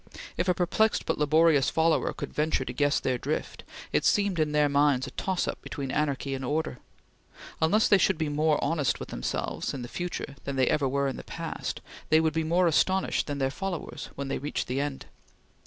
If a perplexed but laborious follower could venture to guess their drift, it seemed in their minds a toss up between anarchy and order. Unless they should be more honest with themselves in the future than ever they were in the past, they would be more astonished than their followers when they reached the end.